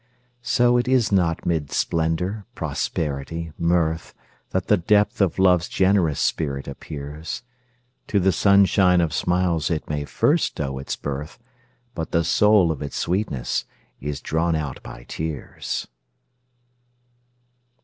So it is not mid splendor, prosperity, mirth, That the depth of Love's generous spirit appears; To the sunshine of smiles it may first owe its birth, But the soul of its sweetness is drawn out by tears.